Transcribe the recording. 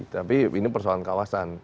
tapi ini persoalan kawasan